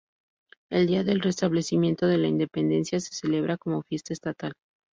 El día del restablecimiento de la independencia se celebra como fiesta estatal.